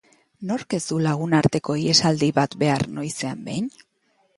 Nork ez du lagunarteko ihesaldi bat behar noizean behin?